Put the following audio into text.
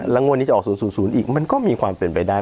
แล้วงวดนี้จะออก๐๐อีกมันก็มีความเป็นไปได้